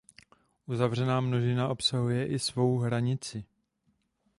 Uzavřená množina obsahuje i svou hranici.